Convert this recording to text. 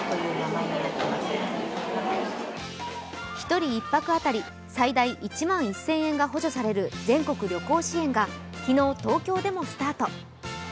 １人１泊当たり最大１万１０００円が補助される全国旅行支援が昨日、東京でもスタート。